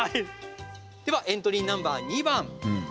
エントリーナンバー２番。